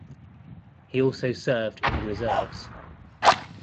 He also served in the reserves.